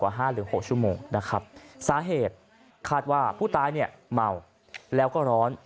ห้าหรือหกชั่วโมงนะครับสาเหตุคาดว่าผู้ตายเนี่ยเมาแล้วก็ร้อน